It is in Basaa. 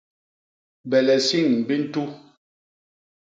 Belesiñ bi ntu.